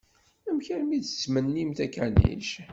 Amek armi i d-tettmennimt akanic?